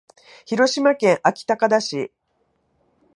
広島県安芸高田市